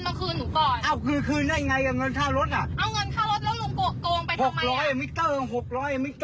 ลุงไม่เอากดมิเตอร์